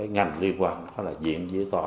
ngành liên quan đó là diện dưới tòa